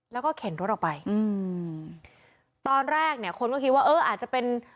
แล้วก็เข็นรถออกไปอืมตอนแรกเนี่ยคนก็คิดว่าเอออาจจะเป็น